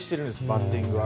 バッティングが。